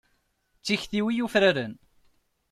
D tikti-iw i yufraren.